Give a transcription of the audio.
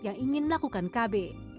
yang ingin melakukan kb